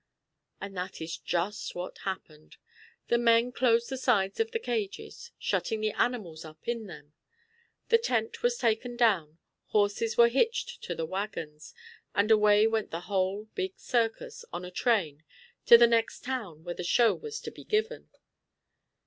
And that is just what happened. The men closed the sides of the cages, shutting the animals up in them. The tent was taken down, horses were hitched to the wagons, and away went the whole, big circus on a train to the next town where the show was to be given.